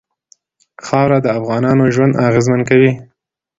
خاوره د افغانانو ژوند اغېزمن کوي.